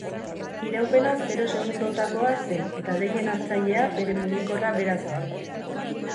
Iraupena zero segundotakoa zen eta deien hartzailea bere mugikorra bera zen.